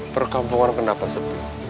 perkampungan kenapa sepi